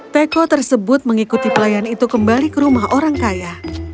teko tersebut mengikuti pelayan itu kembali ke rumah orang kaya